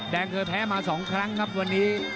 เคยแพ้มา๒ครั้งครับวันนี้